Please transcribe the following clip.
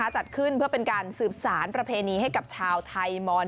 จัดขึ้นเพื่อเป็นการสืบสารประเพณีให้กับชาวไทยม๑